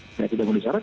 tidak bisa berbisarat